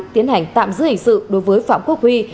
tiến hành tạm giữ hình sự đối với phạm quốc huy